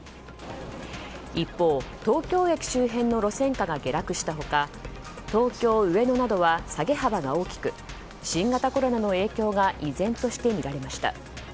一方、東京駅周辺の路線価が下落した他東京・上野などは下げ幅が大きく新型コロナの影響が依然として見られました。